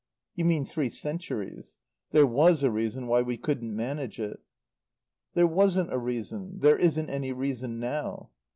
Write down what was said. "You mean three centuries. There was a reason why we couldn't manage it." "There wasn't a reason. There isn't any reason now.